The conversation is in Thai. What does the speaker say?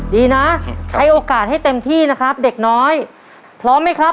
ดีนะใช้โอกาสให้เต็มที่นะครับเด็กน้อยพร้อมไหมครับ